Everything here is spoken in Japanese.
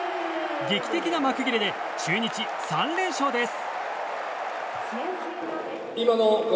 劇的な幕切れで中日、３連勝です。